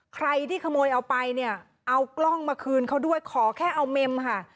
ใครที่ขโมยเอาไปเนี่ยเอากล้องมาคืนเขาด้วยขอแค่เอาเมมค่ะ